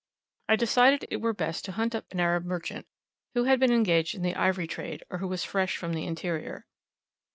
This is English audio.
I decided it were best to hunt up an Arab merchant who had been engaged in the ivory trade, or who was fresh from the interior.